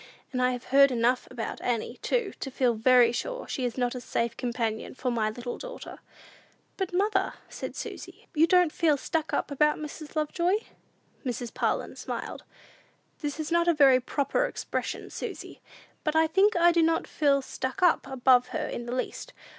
And I have heard enough about Annie, too, to feel very sure she is not a safe companion for my little daughter." "But, mother," said Susy, "you are not you don't feel 'stuck up' above Mrs. Lovejoy?" Mrs. Parlin smiled. "That is not a very proper expression, Susy; but I think I do not feel stuck up above her in the least.